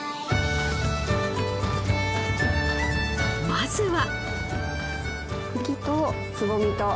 まずは。